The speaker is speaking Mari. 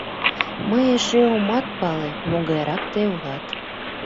Мый эше омат пале, могайрак тый улат.